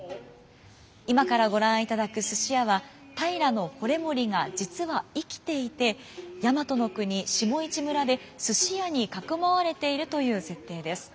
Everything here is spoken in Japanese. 今からご覧いただく「すし屋」は平維盛が実は生きていて大和国下市村で鮓屋に匿われているという設定です。